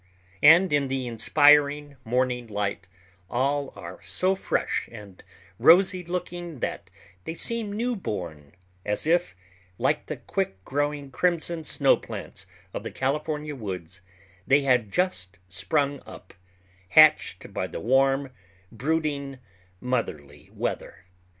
And in the inspiring morning light all are so fresh and rosy looking that they seem new born; as if, like the quick growing crimson snowplants of the California woods, they had just sprung up, hatched by the warm, brooding, motherly weather.